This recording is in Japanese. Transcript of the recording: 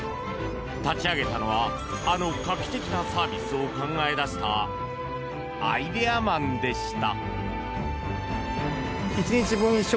立ち上げたのはあの画期的なサービスを考え出したアイデアマンでした。